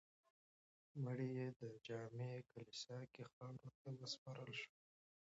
مړی یې د جامع کلیسا کې خاورو ته وسپارل شو.